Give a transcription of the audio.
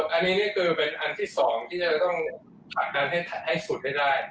อันนี้น่ะเป็นอันที่สองที่เราต้องคัดที่ให้สุดได้